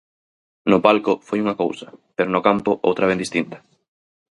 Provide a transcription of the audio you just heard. No palco foi unha cousa, pero no campo outra ben distinta.